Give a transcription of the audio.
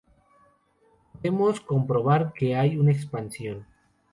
Podemos comprobar que hay una expansión.